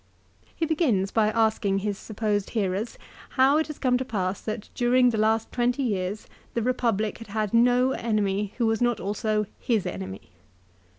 He begins by asking his supposed hearers how it has come to pass that during the last twenty years the Republic had had no enemy who was not also his enemy.